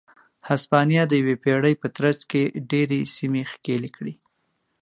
هسپانیا د یوې پېړۍ په ترڅ کې ډېرې سیمې ښکېلې کړې.